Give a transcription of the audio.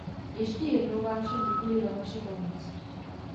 Ještě jednou vám všem děkuji za vaši pomoc.